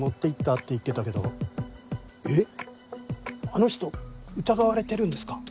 あの人疑われてるんですか？